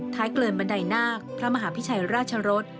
ท้ายเกลิ่นบันไดหน้าพระมหาพิชัยราชรศ